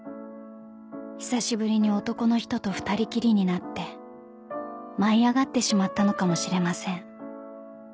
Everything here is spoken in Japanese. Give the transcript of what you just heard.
［久しぶりに男の人と二人きりになって舞い上がってしまったのかもしれません］